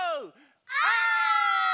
オ！